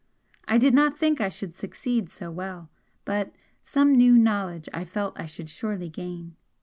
I did not think I should succeed so well, but some new knowledge I felt I should surely gain.